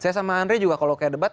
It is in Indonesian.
saya sama andre juga kalau kayak debat